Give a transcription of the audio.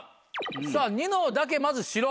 さぁニノだけまず白。